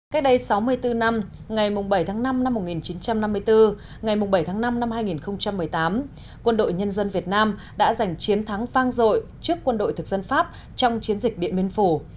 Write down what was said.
cách đây sáu mươi bốn năm ngày bảy tháng năm năm một nghìn chín trăm năm mươi bốn ngày bảy tháng năm năm hai nghìn một mươi tám quân đội nhân dân việt nam đã giành chiến thắng vang dội trước quân đội thực dân pháp trong chiến dịch điện biên phủ